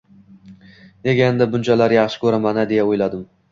Nega uni bunchalar yaxshi ko`raman-a, deya o`yladim